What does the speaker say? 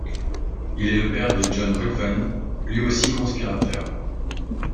Il est le père de John Ruthven, lui aussi conspirateur.